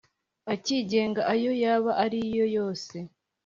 akigenga ayo yaba ari yo yose